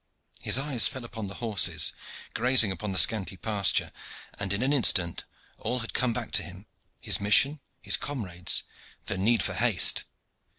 His eyes fell upon the horses, grazing upon the scanty pasture, and in an instant all had come back to him his mission, his comrades, the need for haste.